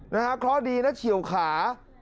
เพราะดีเฉียวขา